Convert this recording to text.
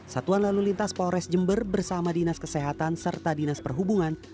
satuan lalu lintas polres jember bersama dinas kesehatan serta dinas perhubungan